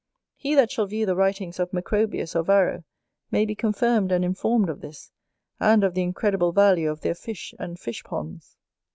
He that shall view the writings of Macrobius, or Varro, may be confirmed and informed of this, and of the incredible value of their fish and fish ponds.